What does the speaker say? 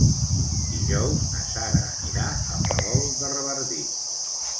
Dijous na Sara anirà a Palol de Revardit.